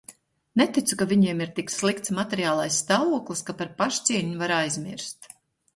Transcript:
Neticu, ka viņiem ir tik slikts materiālais stāvoklis, ka par pašcieņu var aizmirst.